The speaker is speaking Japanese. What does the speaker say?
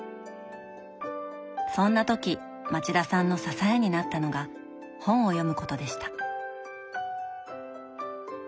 そんな時町田さんの支えになったのが本を読むことでした。